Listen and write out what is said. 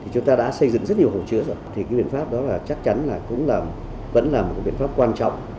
chúng ta đã xây dựng rất nhiều hồ chứa rồi thì cái biện pháp đó chắc chắn là vẫn là một biện pháp quan trọng